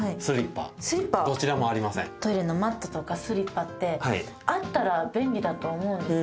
トイレのマットとかスリッパってあったら便利だと思うんですよ